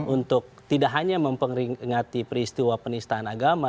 untuk tidak hanya memperingati peristiwa penistaan agama